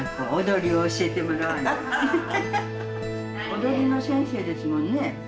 踊りの先生ですもんね。